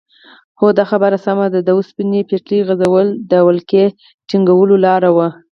هو دا خبره سمه ده د اوسپنې پټلۍ غځول د ولکې ټینګولو لاره وه.